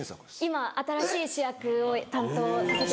今新しい主役を担当させていただきまして。